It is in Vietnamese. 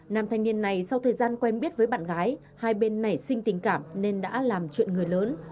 nam thanh niên này sau thời gian quen biết với bạn gái hai bên nảy sinh tình cảm nên đã làm chuyện người lớn